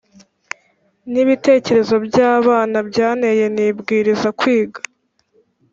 nibitekerezo byabana byanteye nibwiriza kwiga